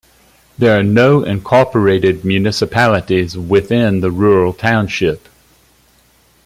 There are no incorporated municipalities within the rural township.